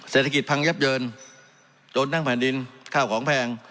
เศรษฐกิจพังยับเยินจนนั่งแผ่นดินข้าวของแพง